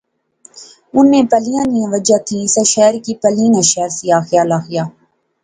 انیں پلیں نیاں وجہ تھی اس شہرے کی پلیں ناں شہر سی آخیا لخیا